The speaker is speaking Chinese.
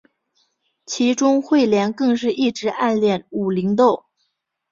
其中彗莲更是一直暗恋武零斗。